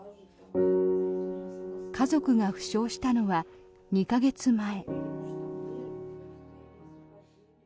家族が負傷したのは２か月前。